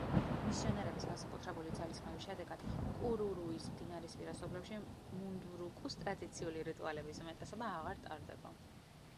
მისიონერების განსაკუთრებული ძალისხმევის შედეგად კურურუის მდინარისპირა სოფლებში მუნდურუკუს ტრადიციული რიტუალების უმეტესობა აღარ ტარდება.